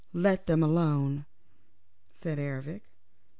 "Let them alone," said Ervic.